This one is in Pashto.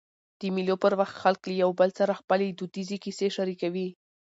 د مېلو پر وخت خلک له یو بل سره خپلي دودیزي کیسې شریکوي.